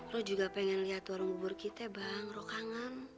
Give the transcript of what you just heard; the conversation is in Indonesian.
lo juga pengen lihat warung bubur kita bang rokangan